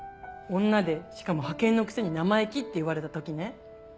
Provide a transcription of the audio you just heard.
女でしかも派遣のくせに生意気って言われた時ね。